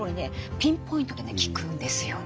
ピンポイントでね効くんですよね。